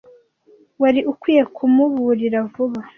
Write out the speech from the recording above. Wari ukwiye kumuburira vuba.